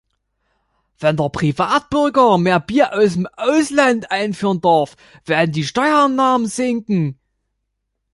Wenn der Privatbürger mehr Bier aus dem Ausland einführen darf, werden die Steuereinnahmen sinken.